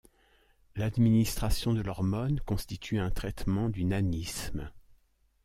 L'administration de l'hormone constitue un traitement du nanisme.